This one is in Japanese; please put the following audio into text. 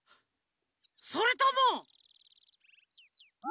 それとも。